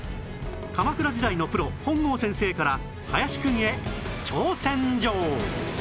鎌倉時代のプロ本郷先生から林くんへ挑戦状